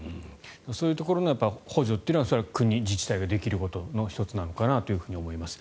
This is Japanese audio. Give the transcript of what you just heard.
そういうところの補助というのは国、自治体ができることの１つなのかなと思います。